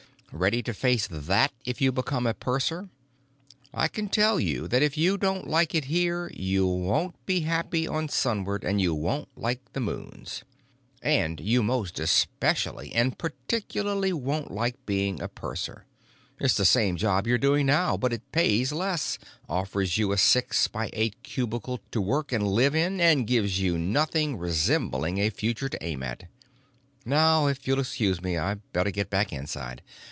"Ready to face that if you become a purser? I can tell you that if you don't like it here you won't be happy on Sunward and you won't like the moons. And you most especially and particularly won't like being a purser. It's the same job you're doing now, but it pays less, offers you a six by eight cubicle to work and live in, and gives you nothing resembling a future to aim at. Now if you'll excuse me I'd better get back inside.